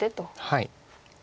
はい。